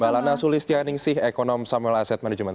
mbak lana sulis tjaningsih ekonom samuel asset management